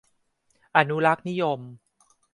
อนุรักษ์นิยม